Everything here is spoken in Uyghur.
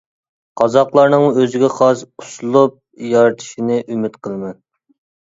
قازاقلارنىڭمۇ ئۆزىگە خاس ئۇسلۇب يارىتىشىنى ئۈمىد قىلىمەن.